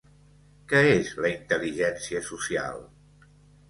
Què és la intel·ligència social?